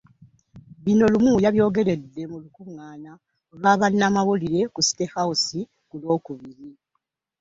Bino Lumu yabyogeredde mu lukungaana lwa bannamawulire ku City House ku lw'okubiri